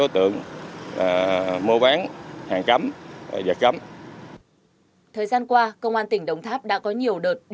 thời gian qua công an tỉnh đồng tháp đã có nhiều đợt